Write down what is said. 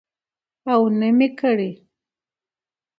او نه مې کړى.